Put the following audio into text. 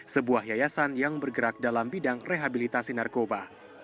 sebuah yayasan yang bergerak dalam bidang rehabilitasi narkoba